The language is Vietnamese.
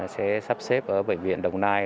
sẽ sắp xếp ở bệnh viện đồng nai